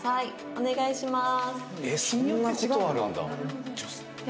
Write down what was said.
お願いします。